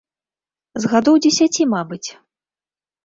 З гадоў дзесяці, мабыць.